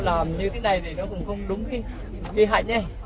làm như thế này thì nó cũng không đúng cái hành này